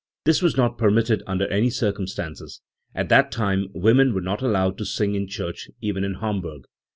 This was not permitted under any cir cumstances ; at that time women were not allowed to sing in church even in Hamburg.